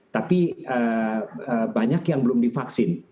tapi banyak yang belum divaksin